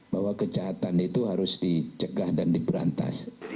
bahwa kejahatan itu harus dicegah dan diberantas